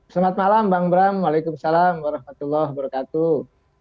selamat malam bang bram waalaikumsalam warahmatullahi wabarakatuh